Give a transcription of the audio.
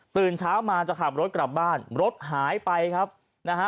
ตื่นเช้ามาจะขับรถกลับบ้านรถหายไปครับนะฮะ